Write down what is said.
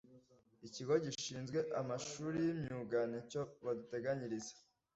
ikigo gishinzwe amashuri y'imyuga ni cyo baduteganyiriza